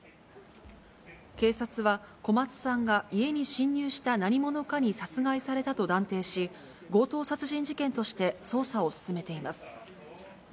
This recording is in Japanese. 警察は、小松さんが家に侵入した何者かに殺害されたと断定し、強盗殺人事件として捜査を進めています。